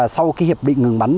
sau hiệp định ngừng bắn